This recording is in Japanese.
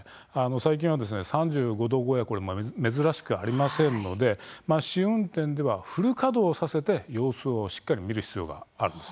最近は３５度超えも珍しくありませんので試運転ではフル稼働させて様子を見る必要があります。